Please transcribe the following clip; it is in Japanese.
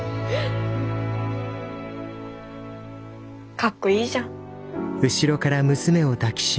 かっこいいじゃん。